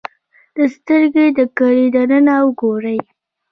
د سترګې د کرې دننه وګورئ.